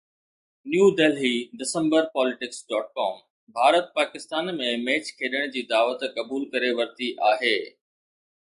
New Delhi December Politics.com Bharat Pakistan ۾ match کيڏڻ جي دعوت قبول ڪري ورتي آهي